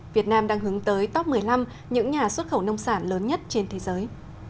việt nam đang hướng tới top một mươi năm những nhà xuất khẩu nông sản lớn nhất trên thế giới